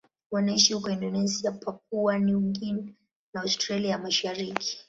Wanaishi huko Indonesia, Papua New Guinea na Australia ya Mashariki.